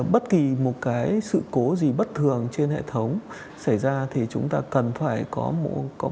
bất kỳ một cái sự cố gì bất thường trên hệ thống xảy ra thì chúng ta cần phải có